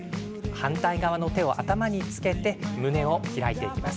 反対側の手を頭につけて胸を開いていきます。